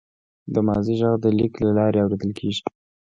د ماضي غږ د لیک له لارې اورېدل کېږي.